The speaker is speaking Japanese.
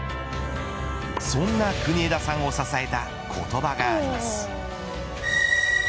そんな国枝さんを支えた言葉があります。